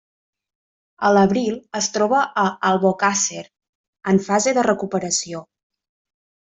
A l'abril es troba a Albocàsser, en fase de recuperació.